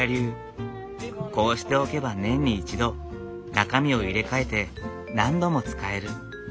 こうしておけば年に一度中身を入れ替えて何度も使える。